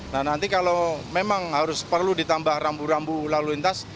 nah nanti kalau memang harus perlu ditambah rambu rambu lalu lintas